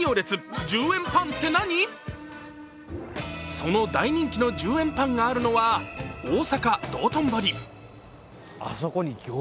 その大人気の１０円パンがあるのは大阪・道頓堀。